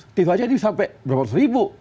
atief aja ini sampai berapa ratusan ribu